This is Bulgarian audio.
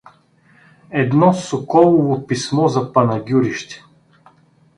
— Едно Соколово писмо за Панагюрище.